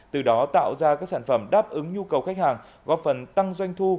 từ đó tạo ra các sản phẩm đáp ứng nhu cầu khách hàng góp phần tăng doanh thu